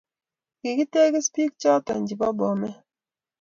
Kikitekis pik chaton che po bomet